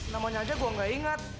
namanya aja gue nggak inget